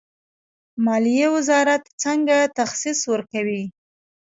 مالیې وزارت څنګه تخصیص ورکوي؟